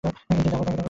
এইযে, জাগো।